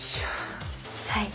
はい。